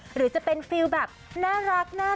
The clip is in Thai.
หรือจะเป็นฟิลแบบน่ารัก